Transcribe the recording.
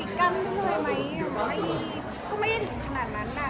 ไอ้งานเดี่ยวเราถือกันเลยว่า